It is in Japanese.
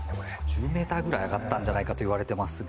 １０ｍぐらい上がったんじゃないかと言われてますが。